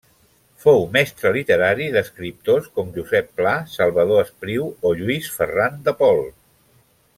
Fou mestre literari d'escriptors com Josep Pla, Salvador Espriu o Lluís Ferran de Pol.